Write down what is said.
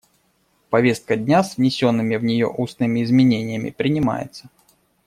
Повестка дня с внесенными в нее устными изменениями принимается.